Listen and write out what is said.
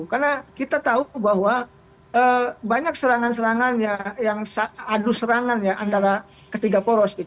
karena kita tahu bahwa banyak serangan serangan yang adu serangan ya antara ketiga poros